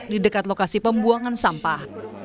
di dekat lokasi pembuangan sampah